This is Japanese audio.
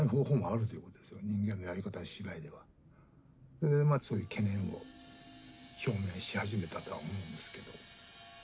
それでまずそういう懸念を表明し始めたとは思うんですけど。